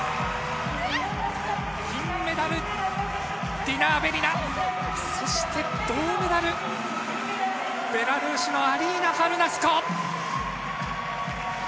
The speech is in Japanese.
銀メダル、ディナ・アベリナ、そして銅メダル、ベラルーシのアリーナ・ハルナスコ。